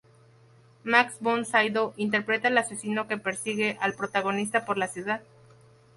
Max von Sydow interpreta al asesino que persigue al protagonista por la ciudad.